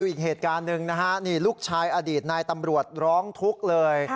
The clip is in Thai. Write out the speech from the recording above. อีกเหตุการณ์หนึ่งนะฮะนี่ลูกชายอดีตนายตำรวจร้องทุกข์เลย